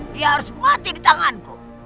dia harus mati di tanganku